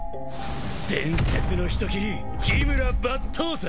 伝説の人斬り緋村抜刀斎！